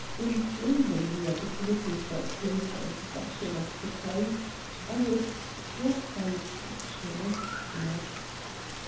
Improving the opportunity for a closer inspection of the place, I was struck by its picturesqueness.